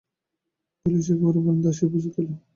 বলিয়া সে একেবারে বারান্দায় আসিয়া উপস্থিত হইল।